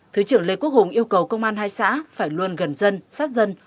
thứ trưởng lê quốc hùng yêu cầu công an hai xã phải luôn gần dân sát dân